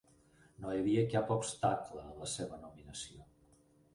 No hi havia cap obstacle a la seva nominació.